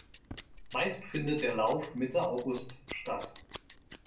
Meist findet der Lauf Mitte August statt.